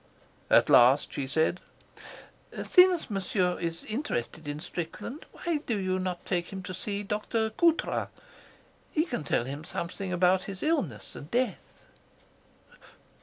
At last she said: "Since is interested in Strickland, why do you not take him to see Dr. Coutras? He can tell him something about his illness and death."